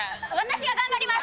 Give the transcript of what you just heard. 私が頑張ります！